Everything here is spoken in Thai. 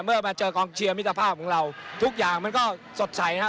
มาเจอกองเชียร์มิตรภาพของเราทุกอย่างมันก็สดใสนะครับ